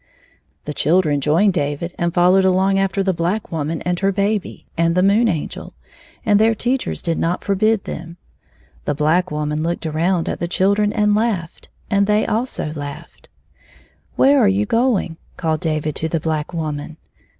The children joined David, and followed along after the black woman and her baby and the Moon Angel, and their teachers did not forbid them. The black woman looked around at the children and laughed, and they also laughed. " Where are you going ?" called David to the black woman.